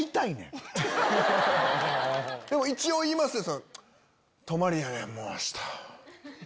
一応言いますよ。